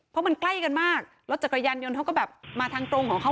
เพราะมันใกล้กันมากรถจักรยานยนต์เขาก็แบบมาทางตรงของเขา